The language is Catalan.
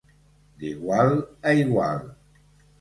D'igual a igual.